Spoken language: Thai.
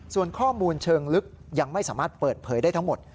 ส่วนข้อมูลเชิงลึกยังไม่สามารถเปิดเผยได้ทั้งหมด